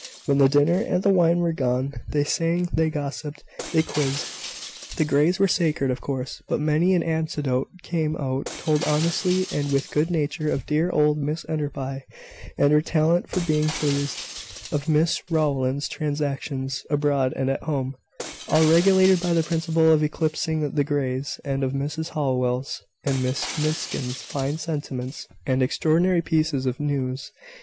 When the dinner and the wine were gone, they sang, they gossiped, they quizzed. The Greys were sacred, of course; but many an anecdote came out, told honestly and with good nature, of dear old Mrs Enderby, and her talent for being pleased; of Mrs Rowland's transactions abroad and at home all regulated by the principle of eclipsing the Greys; and of Mrs Howell's and Miss Miskin's fine sentiments, and extraordinary pieces of news.